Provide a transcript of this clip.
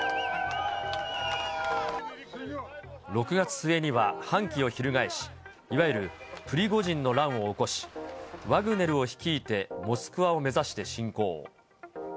６月末には反旗を翻し、いわゆるプリゴジンの乱を起こし、ワグネルを率いて、モスクワを目指して侵攻。